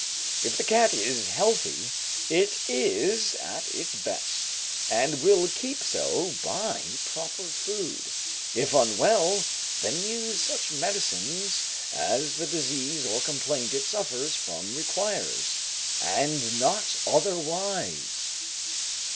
If the cat is healthy, it is at its best, and will keep so by proper food; if unwell, then use such medicines as the disease or complaint it suffers from requires, and not otherwise.